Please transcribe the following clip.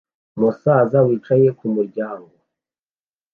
Umusaza wicaye kumuryango